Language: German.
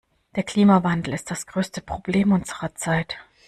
Der Klimawandel ist das größte Problem unserer Zeit.